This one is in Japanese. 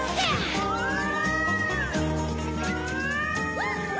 うわ！